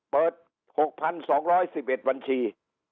เปิด๖๒๑๑บัญชี